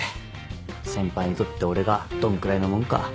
先輩にとって俺がどんくらいのもんか。